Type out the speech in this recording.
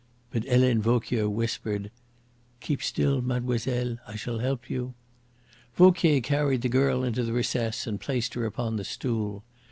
But Helene Vauquier whispered: "Keep still, mademoiselle. I shall help you." Vauquier carried the girl into the recess and placed her upon the stool.